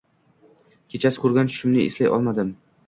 Kechasi ko‘rgan tushimni eslay olmadim.